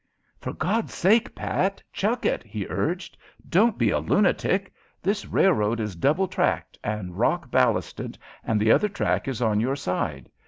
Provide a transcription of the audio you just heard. "For God's sake, Pat, chuck it!" he urged. "Don't be a lunatic! This railroad is double tracked and rock ballasted and the other track is on your side.